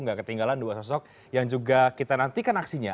gak ketinggalan dua sosok yang juga kita nantikan aksinya